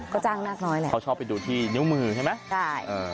ก็จ้างนาคน้อยแหละเขาชอบไปดูที่นิ้วมือใช่ไหมใช่เออ